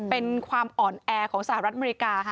เป็นความอ่อนแอของสหรัฐอเมริกาค่ะ